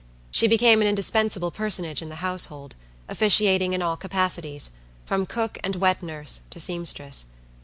She became an indispensable personage in the household, officiating in all capacities, from cook and wet nurse to seamstress.